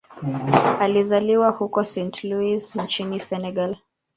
Alizaliwa huko Saint-Louis nchini Senegal.